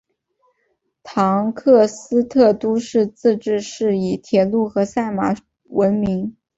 唐克斯特都市自治市以铁路和赛马闻名。